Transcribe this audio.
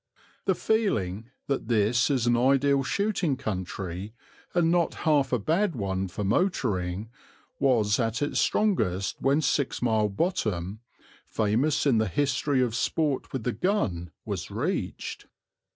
The feeling that this is an ideal shooting country, and not half a bad one for motoring, was at its strongest when Six Mile Bottom, famous in the history of sport with the gun, was reached.